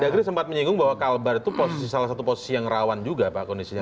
dari sempat menyinggung bahwa kalbar itu salah satu posisi yang rawan juga pak kondisinya